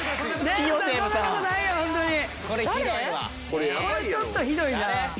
これちょっとひどいな。